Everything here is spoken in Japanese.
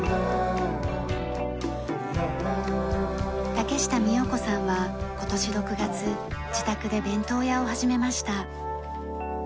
竹下美代子さんは今年６月自宅で弁当屋を始めました。